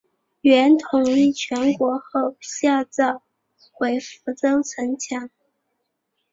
元统一全国后下诏毁福州城墙。